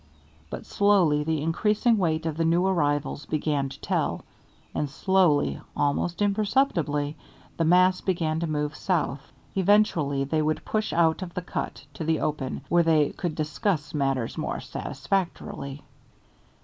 But slowly the increasing weight of the new arrivals began to tell, and slowly, almost imperceptibly, the mass began to move south. Eventually they would push out of the cut to the open, where they could discuss matters more satisfactorily.